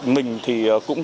mình thì cũng